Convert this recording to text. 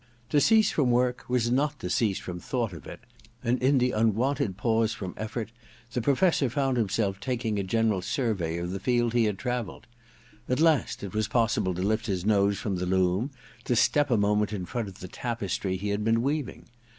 To cease from work was not to cease from thought of it ; and in the unwonted pause from effort the Professor found himself taking a general survey of the field he had travelled. At last it was possible to lift his nose from the loom, to step a moment in front of the tapestry he had been weaving.